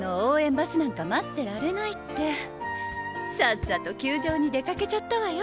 バスなんか待ってられないってさっさと球場に出かけちゃったわよ。